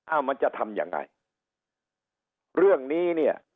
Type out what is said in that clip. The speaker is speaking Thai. มันจะทำยังไงเรื่องนี้เนี่ย